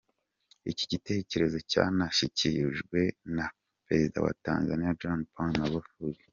Iki gitekerezo cyanashyigikiwe na Perezida wa Tanzania John Pombe Magufuli.